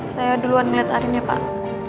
saya duluan liat arin ya pak